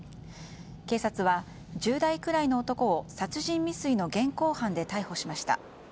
警察は１０代くらいの男を殺人未遂の現行犯で逮捕しました。